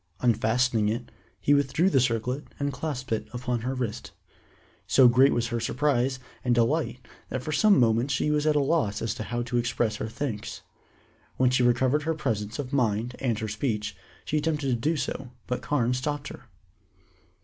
Unfastening it, he withdrew the circlet and clasped it upon her wrist. So great was her surprise and delight that for some moments she was at a loss how to express her thanks. When she recovered her presence of mind and her speech, she attempted to do so, but Carne stopped her.